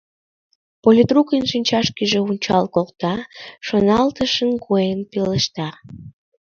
Политрукын шинчашкыже ончал колта, шоналтышын койын пелешта.